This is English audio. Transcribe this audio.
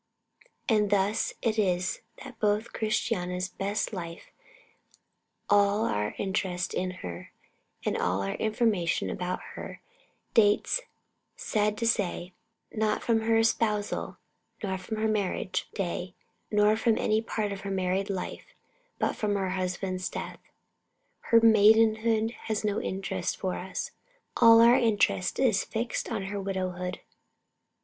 And thus it is that both Christiana's best life, all our interest in her, and all our information about her, dates, sad to say, not from her espousal, nor from her marriage day, nor from any part of her married life, but from her husband's death. Her maidenhood has no interest for us; all our interest is fixed on her widowhood.